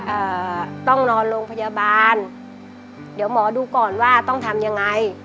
เอ่อต้องนอนโรงพยาบาลเดี๋ยวหมอดูก่อนว่าต้องทำยังไง